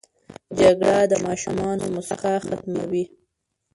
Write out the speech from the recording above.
جګړه د ماشومانو موسکا ختموي